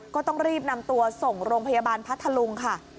ก็ต้องรีบนำตัวส่งโรงพยาบาลพัทธลุงค่ะ